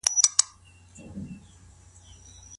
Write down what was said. که ښځه شرعي دليل ولري څه کولای سي؟